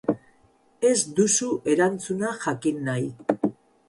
Ez duzu erantzuna jakin nahi.